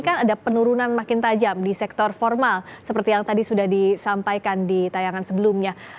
kan ada penurunan makin tajam di sektor formal seperti yang tadi sudah disampaikan di tayangan sebelumnya